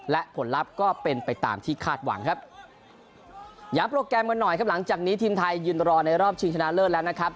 และผลลัพธ์ก็เป็นไปตามที่คาดหวังครับย้ำโปรแกรมกันหน่อยครับหลังจากนี้ทีมไทยยืนรอในรอบชิงชนะเลิศแล้วนะครับ